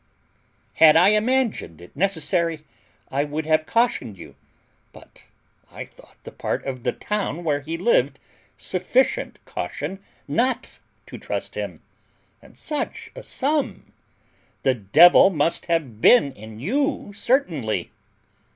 had I imagined it necessary, I would have cautioned you, but I thought the part of the town where he lived sufficient caution not to trust him. And such a sum! The devil must have been in you certainly!"